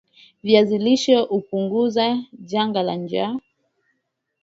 Viazi lishe hupunguza janga la njaa